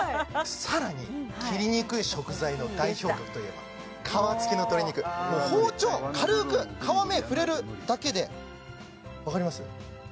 さらに切りにくい食材の代表格といえば皮付きの鶏肉包丁軽く皮目触れるだけでわかります？